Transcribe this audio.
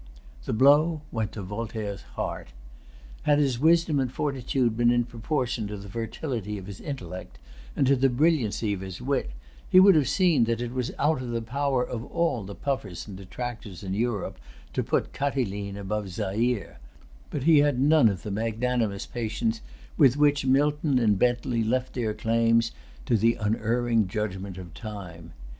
The blow went to Voltaire's heart. Had his wisdom and fortitude been in proportion to the fertility of his intellect, and to the brilliancy of his wit, he would have seen that it was out of the power of all the puffers and detractors in Europe to put Catiline above Zaire; but he had none of the magnanimous patience with which Milton and Bentley left their claims to the unerring judgment of time.